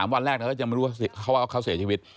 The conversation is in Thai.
วันแรกเราก็ยังไม่รู้ว่าเขาเสียชีวิต